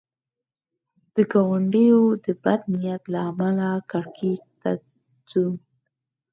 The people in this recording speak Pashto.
د ګاونډیو د بد نیت له امله کړکېچ ته ځو.